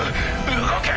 動け！